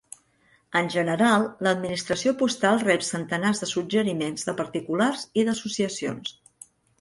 En general l'administració postal rep centenars de suggeriments de particulars i d'associacions.